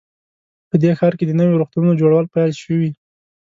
په دې ښار کې د نویو روغتونونو جوړول پیل شوي